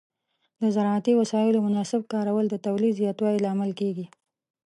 د زراعتي وسایلو مناسب کارول د تولید زیاتوالي لامل کېږي.